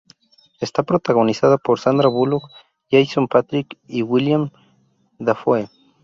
Está protagonizada por Sandra Bullock, Jason Patric y Willem Dafoe.